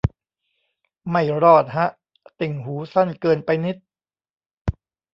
ไม่รอดฮะ ติ่งหูสั้นเกินไปนิด